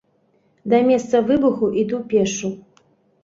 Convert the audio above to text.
Да месца выбуху іду пешшу.